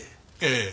ええ。